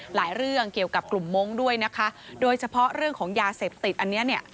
เรื่องเกี่ยวกับกลุ่มมงค์ด้วยนะคะโดยเฉพาะเรื่องของยาเสพติดอันนี้เนี่ย